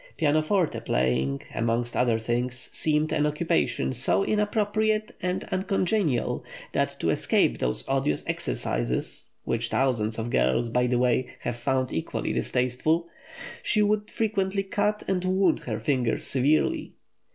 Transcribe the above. Pianoforte playing, amongst other things, seemed an occupation so inappropriate and uncongenial, that to escape those odious "exercises" which thousands of girls, by the way, have found equally distasteful she would frequently cut and wound her fingers severely.